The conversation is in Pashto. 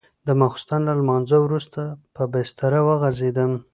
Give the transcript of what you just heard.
د ماخستن له لمانځه وروسته په بستره وغځېدم.